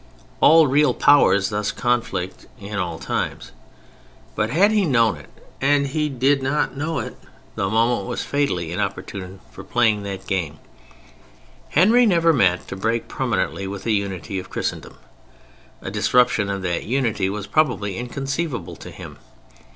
All real powers thus conflict in all times. But, had he known it (and he did not know it), the moment was fatally inopportune for playing that game. Henry never meant to break permanently with the unity of Christendom. A disruption of that unity was probably inconceivable to him.